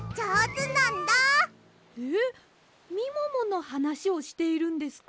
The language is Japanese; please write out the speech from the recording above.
えっみもものはなしをしているんですか？